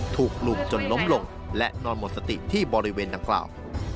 ถูกลุมจนล้มลงและนอนหมดสติที่บริเวณดังกล่าว